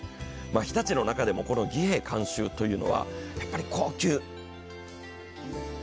日立の中でも、この儀兵衛監修というのは高級。